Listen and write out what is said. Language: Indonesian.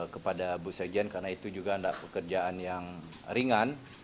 kepada bu sekjen karena itu juga tidak pekerjaan yang ringan